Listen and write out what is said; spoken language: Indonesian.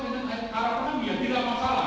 tapi jawabannya itu tidak sesuai dengan arah kami